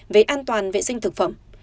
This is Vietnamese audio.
về an toàn vệ sinh thực phẩm